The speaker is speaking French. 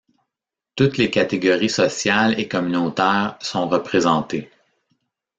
Toutes les catégories sociales et communautaires sont représentées.